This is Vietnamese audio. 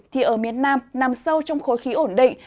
thì ở miền nam nằm sâu trong khối khí ổn định